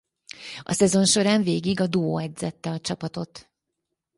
A szezon során végig a duó edzette a csapatot.